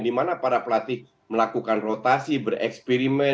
dimana para pelatih melakukan rotasi bereksperimen